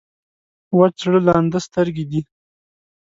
وچ زړه لانده سترګې دي.